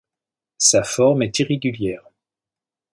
Sa forme est irrégulière.